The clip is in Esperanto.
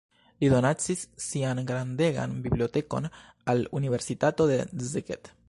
Li donacis sian grandegan bibliotekon al universitato de Szeged.